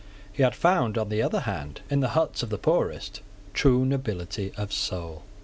He had found, on the other hand, in the huts of the poorest, true nobility of soul.